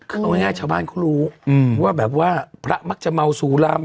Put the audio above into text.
คือเอาง่ายชาวบ้านเขารู้ว่าแบบว่าพระมักจะเมาสุราม